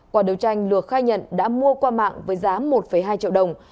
quả đấu tranh luộc khai nhận đã mua qua mạng với giá một hai triệu đồng